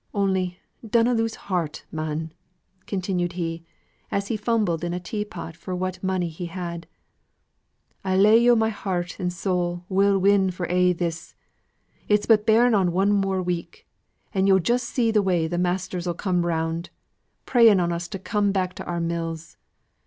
Only, dunnot lose heart, man!" continued he, as he fumbled in a tea pot for what money he had. "I lay yo my heart and soul we'll win for a' this: it's but bearing on one more week, and yo' just see th' way th' masters 'll come round, praying on us to come back to our mills.